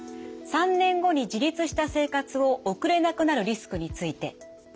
３年後に自立した生活を送れなくなるリスクについて。